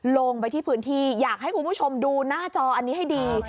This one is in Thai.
ลงไปที่พื้นที่อยากให้คุณผู้ชมดูหน้าจออันนี้ให้ดี